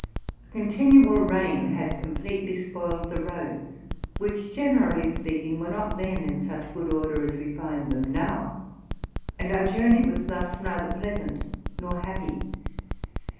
A continual rain had completely spoiled the roads, which, generally speaking, were not then in such good order as we find them now; and our journey was thus neither RELATING TO MY LIFE. 201 pleasant nor happy.